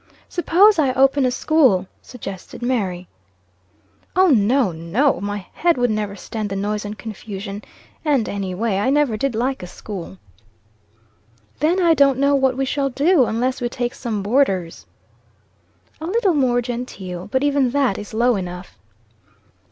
"Suppose I open a school?" suggested Mary. "O no! no! My head would never stand the noise and confusion. And, any way, I never did like a school." "Then I don't know what we shall do, unless we take some boarders." "A little more genteel. But even that is low enough."